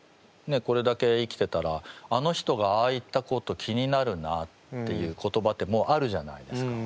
これだけ生きてたらあの人がああ言ったこと気になるなっていう言葉ってもうあるじゃないですか。